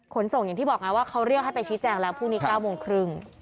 ขนส่งอย่างที่บอกไงว่าเขาเรียกให้ไปชี้แจงแล้วพรุ่งนี้๙โมงครึ่ง